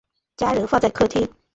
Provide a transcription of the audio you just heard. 家人放在客厅